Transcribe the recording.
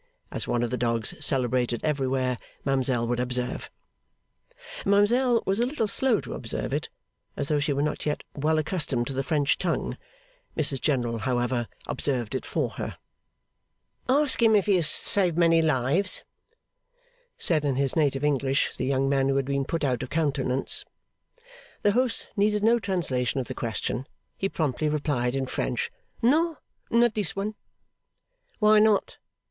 As one of the dogs celebrated everywhere, Ma'amselle would observe. Ma'amselle was a little slow to observe it, as though she were not yet well accustomed to the French tongue. Mrs General, however, observed it for her. 'Ask him if he has saved many lives?' said, in his native English, the young man who had been put out of countenance. The host needed no translation of the question. He promptly replied in French, 'No. Not this one.' 'Why not?